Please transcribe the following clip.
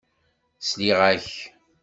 Sliɣ-ak.